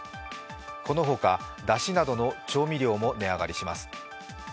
このほか、だしなどの調味料も値上がりします。